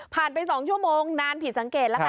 ไป๒ชั่วโมงนานผิดสังเกตแล้วค่ะ